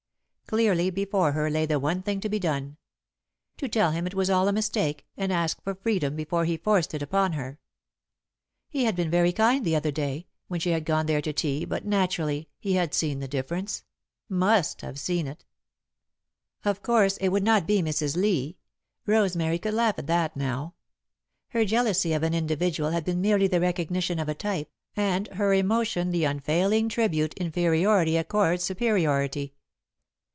Clearly before her lay the one thing to be done: to tell him it was all a mistake, and ask for freedom before he forced it upon her. He had been very kind the other day, when she had gone there to tea but, naturally, he had seen the difference must have seen it. [Sidenote: Rosemary's Few Days of Joy] Of course it would not be Mrs. Lee Rosemary could laugh at that now. Her jealousy of an individual had been merely the recognition of a type, and her emotion the unfailing tribute inferiority accords superiority.